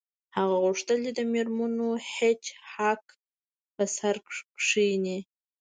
هغه غوښتل چې د میرمن هیج هاګ په سر کښینی